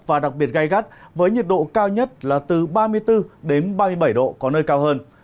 và đặc biệt gai gắt với nhiệt độ cao nhất là từ ba mươi bốn đến ba mươi bảy độ có nơi cao hơn